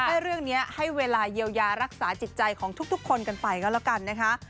ให้เรื่องนี้ให้เวลาเยียวยารักษาจิตใจของทุกคนกันไปก็แล้วกันนะคะ